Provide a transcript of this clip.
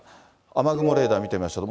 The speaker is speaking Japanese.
雨雲レーダー見てみましょう。